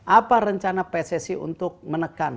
apa rencana pssi untuk menekan